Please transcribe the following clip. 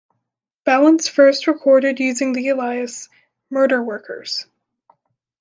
Balance first recorded using the alias "Merderwerkers".